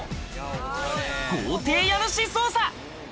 豪邸家主捜査。